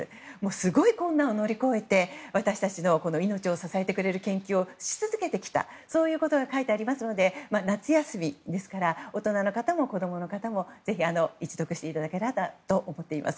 すごい困難を乗り越えて私たちの命を支えてくれる研究をし続けてきたそういうことが書いてあるので夏休みですから大人の方も子供の方もぜひ一読していただけたらと思います。